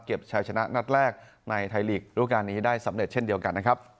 ชายชนะนัดแรกในไทยลีกรูปการณ์นี้ได้สำเร็จเช่นเดียวกันนะครับ